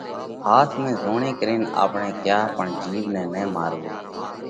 ۿاس ۾ زوڻي ڪرينَ آپڻئہ ڪيا پڻ جِيوَ نئہ نہ ماروَو